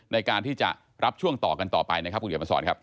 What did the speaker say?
ในการที่จะรับช่วงต่อกันต่อไปนะครับคุณเขียนมาสอนครับ